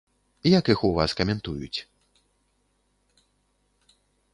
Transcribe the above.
Як іх у вас каментуюць?